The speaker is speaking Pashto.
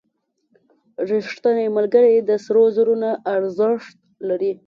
• رښتینی ملګری د سرو زرو نه ارزښت لري.